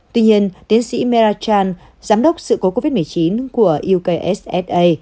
tuy nhiên tiến sĩ merachan giám đốc sự cố covid một mươi chín của ukssa